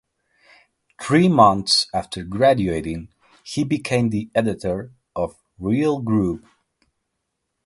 Three months after graduating he became the editor of "Real Groove".